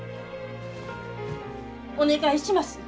お願いします！